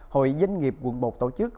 hội doanh nghiệp quận một tổ chức